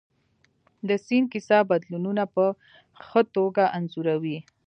د سیند کیسه بدلونونه په ښه توګه انځوروي.